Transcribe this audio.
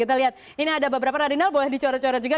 kita lihat ini ada beberapa radinal boleh dicoret coret juga